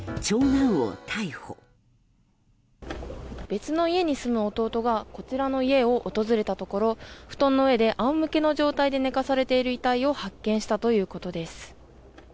別の家に住む弟がこちらの家を訪れたところ布団の上であおむけの状態で寝かされている遺体を発見したということです。